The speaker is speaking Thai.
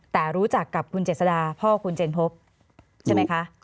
แต่รู้จักกับคุณเจษฎาพ่อคุณเจนพบใช่ไหมคะ